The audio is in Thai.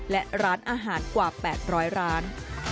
และร้านอาหารกว่า๘๐๐ร้าน